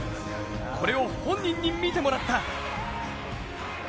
これを本人に見てもらった。